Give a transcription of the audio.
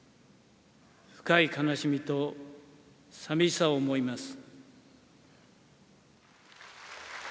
深い悲しみと寂しさを覚えます。